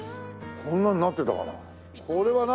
こんなのになってたかな？